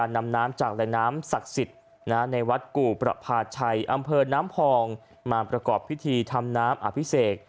ในวัดกู่ประพาทชัยอำเภอน้ำพองมาประกอบพิธีทำน้ำอัดพิเศษ